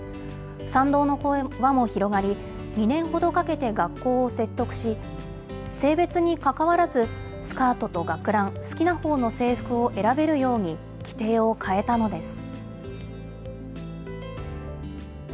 賛同の輪も広がり、２年ほどかけて学校を説得し、性別にかかわらず、スカートと学ラン、好きなほうの制服を選べるように規定を変えたのです。